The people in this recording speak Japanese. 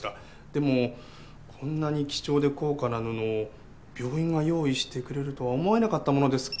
でもこんなに貴重で高価な布を病院が用意してくれるとは思えなかったものですから。